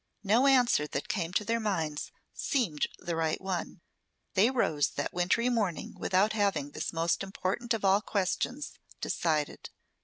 No answer that came to their minds seemed the right one. They rose that wintry morning without having this most important of all questions decided.